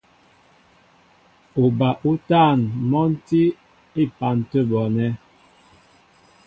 Uba útân mɔ́ tí á epan tə̂ bɔɔnɛ́.